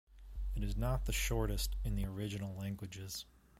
It is not the shortest in the original languages.